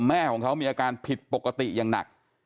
แม่ของเขามีอาการผิดปกติอย่างหนัก